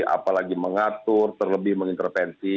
apalagi mengatur terlebih mengintervensi